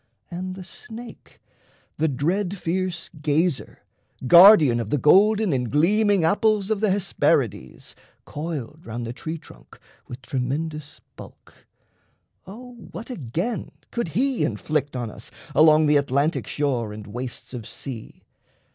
And the Snake, The dread fierce gazer, guardian of the golden And gleaming apples of the Hesperides, Coiled round the tree trunk with tremendous bulk, O what, again, could he inflict on us Along the Atlantic shore and wastes of sea?